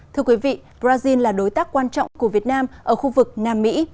thưa quý vị brazil là đối tác quan trọng của việt nam ở khu vực nam mỹ